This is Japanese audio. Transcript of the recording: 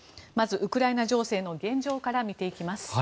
まず、ウクライナ情勢の現状から見ていきます。